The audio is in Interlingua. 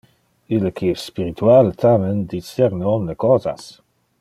Ille qui es spiritual, tamen, discerne omne cosas.